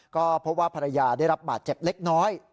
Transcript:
ก็พบว่าภรรยาได้รับบาดเจ็บเล็กน้อย